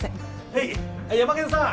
はいヤマケンさん